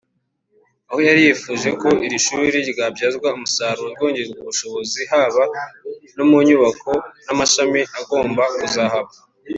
aho yari yifuje ko iri shuri ryabyazwa umusaruro ryongererwa ubushobozi haba mu nyubako n’amashami agomba kuzahaba